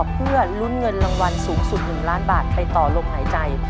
เพื่อลุ้นเงินรางวัลสูงสุด๑ล้านบาทไปต่อลมหายใจ